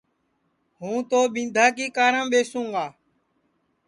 ہوں تو ٻِندھا کی کارام ٻیسوں گا